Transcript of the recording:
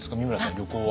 旅行は？